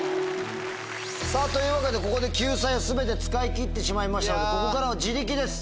さぁというわけでここで救済を全て使い切ってしまいましたのでここからは自力です。